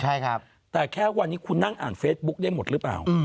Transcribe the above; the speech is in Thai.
ใช่ครับแต่แค่วันนี้คุณนั่งอ่านเฟซบุ๊คได้หมดหรือเปล่า